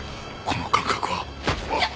この感覚はあっ！